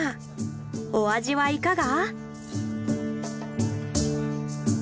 お味はいかが？